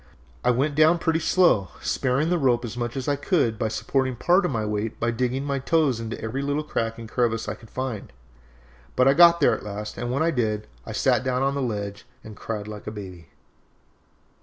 I went down pretty slow, sparing the rope as much as I could by supporting part of my weight by digging my toes into every little crack and crevice I could find, but I got there at last, and when I did, I sat down on the ledge and cried like a baby.